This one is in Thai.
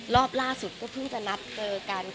รอบล่าสุดก็เพิ่งจะนัดเจอกัน